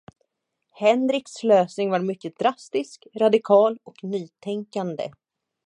Henriks lösning var mycket drastisk, radikal och nytänkande.